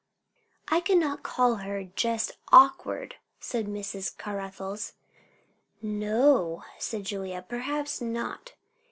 "I cannot call her just awkward," said Mrs. Caruthers. "N o," said Julia, "perhaps not.